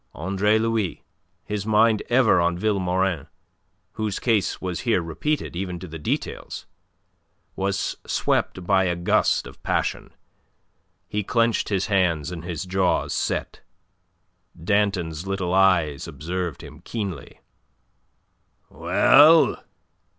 Andre Louis his mind ever on Vilmorin, whose case was here repeated, even to the details was swept by a gust of passion. He clenched his hands, and his jaws set. Danton's little eyes observed him keenly. "Well?